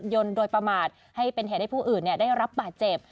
ยนโดยประมาทให้เป็นเหตุให้ผู้อื่นได้รับบาดเจ็บ